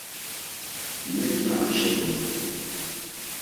Neǩna Ayşe gontzu.